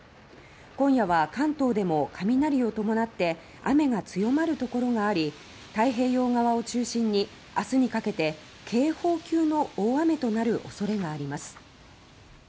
今夜は、関東でも雷を伴って雨が強まる所があり太平洋側を中心に明日にかけて警報級の大雨となる恐れがあります。